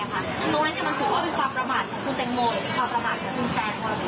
ตรงนั้นจะมันถูกว่าเป็นความประมาทของคุณแซงโม